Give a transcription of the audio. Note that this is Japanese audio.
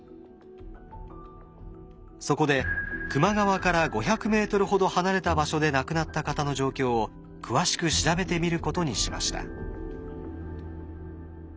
そこで球磨川から５００ｍほど離れた場所で亡くなった方の状況を詳しく調べてみることにしました。